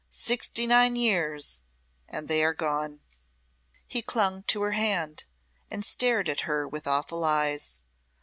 Sixty nine years and they are gone!" He clung to her hand, and stared at her with awful eyes.